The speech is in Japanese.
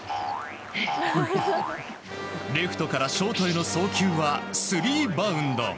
レフトからショートへの送球はスリーバウンド。